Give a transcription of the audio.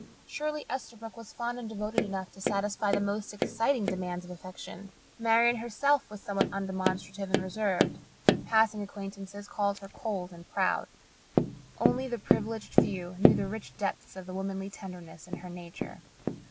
Surely Esterbrook was fond and devoted enough to satisfy the most exacting demands of affection. Marian herself was somewhat undemonstrative and reserved. Passing acquaintances called her cold and proud. Only the privileged few knew the rich depths of womanly tenderness in her nature.